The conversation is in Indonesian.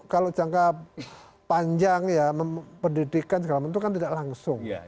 kalau jangka panjang ya pendidikan segala macam kan tidak langsung